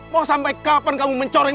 mau sampai kapan kamu mencoreng